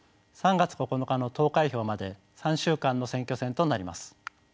３月９日の投開票まで３週間の選挙戦となります。